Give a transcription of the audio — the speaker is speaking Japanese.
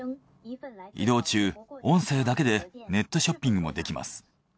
移動中音声だけでネットショッピングもできます。